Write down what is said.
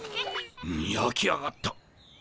やき上がった。